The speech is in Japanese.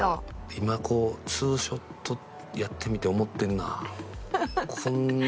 今こう２ショットやってみて思ってるな。